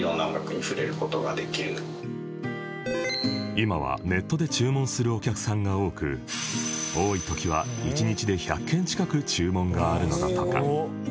今はネットで注文するお客さんが多く多い時は１日で１００件近く注文があるのだとか